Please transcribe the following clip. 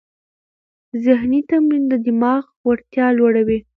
ذهني تمرین د دماغ وړتیا لوړوي.